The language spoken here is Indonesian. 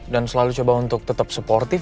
dan selalu coba untuk tetap suportif